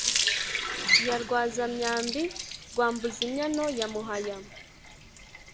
ya rwaza-myambi rwa mbuz-imyano, ya muhaya